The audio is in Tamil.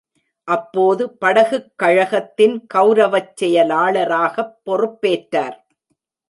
அப்போது படகுக் கழகத்தின் கௌரவச் செயலாளராகப் பொறுப்பேற்றார்.